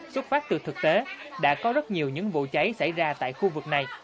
xuất phát từ thực tế đã có rất nhiều những vụ cháy xảy ra tại khu vực này